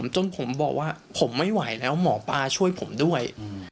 จนผมบอกว่าผมไม่ไหวแล้วหมอปลาช่วยผมด้วย